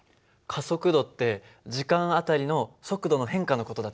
加速度って時間あたりの速度の変化の事だったよね。